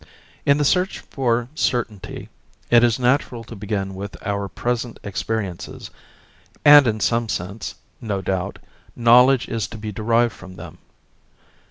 In the search for certainty, it is natural to begin with our present experiences, and in some sense, no doubt, knowledge is to be derived from them.